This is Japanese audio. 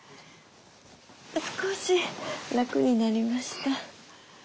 少し楽になりました。